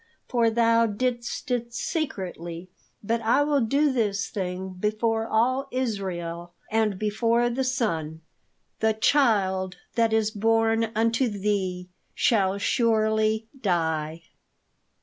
'For thou didst it secretly, but I will do this thing before all Israel, and before the sun; THE CHILD THAT IS BORN UNTO THEE SHALL SURELY DIE.'"